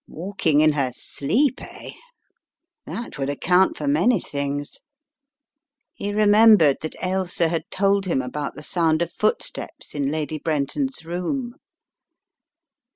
Walking in her sleep, eh? That would account for many things. He remembered that Ailsa had told him about the sound of footsteps in Lady Brenton's room